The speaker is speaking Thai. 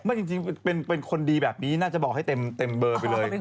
จริงเป็นคนดีแบบนี้น่าจะบอกให้เต็มเบอร์ไปเลย